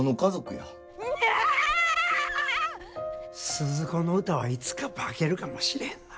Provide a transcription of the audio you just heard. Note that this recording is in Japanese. スズ子の歌はいつか化けるかもしれへんな。